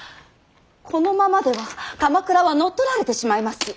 このままでは鎌倉は乗っ取られてしまいます。